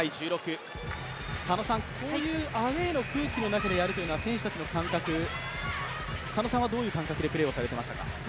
佐野さん、こういうアウェーの空気の中でやるというのは選手たちの感覚、佐野さんはどういう感覚でプレーをされていましたか？